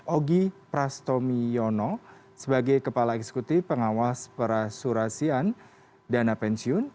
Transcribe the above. ogi prastomiyono sebagai kepala eksekutif pengawas prasurasian dana pensiun